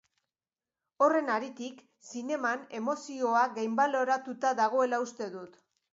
Horren haritik, zineman emozioa gainbaloratuta dagoela uste dut.